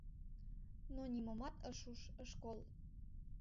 Но нимомат ыш уж, ыш кол.